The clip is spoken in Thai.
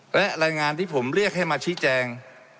และรายงานที่ผมเรียกให้มาชี้แจง